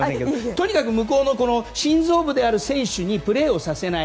特に向こうの心臓部の選手にプレーをさせない。